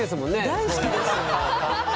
大好きです。